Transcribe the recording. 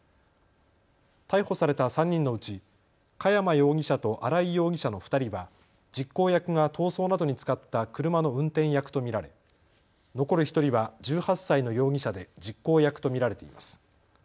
逮捕された３人のうち嘉山容疑者と荒井容疑者の２人は実行役が逃走などに使った車の運転役と見られ残る１人は１８歳の容疑者で実行役と見られています。